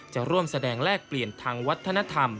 จะร่วมแสดงแลกเปลี่ยนทางวัฒนธรรม